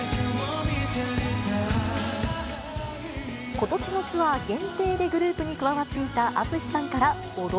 ことしのツアー限定でグループに加わっていたＡＴＳＵＳＨＩさん